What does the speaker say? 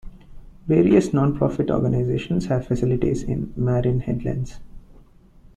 Various nonprofit organizations have facilities in Marin Headlands.